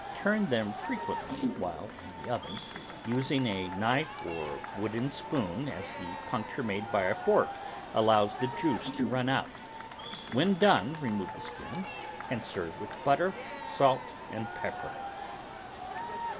Turn them fre THE VEGETABLE GARDEN quently while in the oven, using a knife or wooden spoon as the puncture made by a fork allows the juice to run out. When done, remove the skin and serve with butter, salt, and pepper.